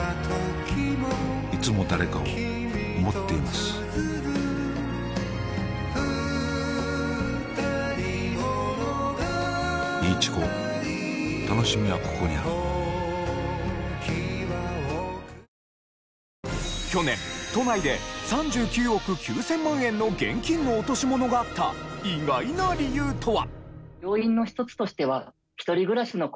すこやかさつづけ薬用養命酒去年都内で３９億９０００万円の現金の落とし物があった意外な理由とは？